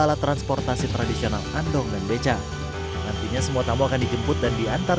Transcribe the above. alat transportasi tradisional andong dan beca nantinya semua tamu akan dijemput dan diantar